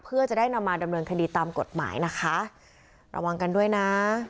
เพื่อจะได้นำมาดำเนินคดีตามกฎหมายนะคะระวังกันด้วยนะ